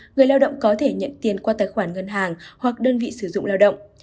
người lao động có thể nhận tiền qua tài khoản ngân hàng hoặc đơn vị sử dụng lao động